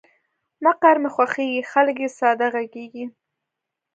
مقر مې خوښېږي، خلګ یې ساده غږیږي.